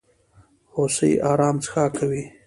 هوسۍ ارام څښاک کوي.